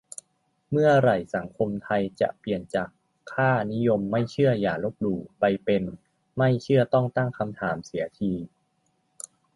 เมื่อไหร่สังคมไทยจะเปลี่ยนจากค่านิยม "ไม่เชื่ออย่าลบหลู่" ไปเป็น "ไม่เชื่อต้องตั้งคำถาม" เสียที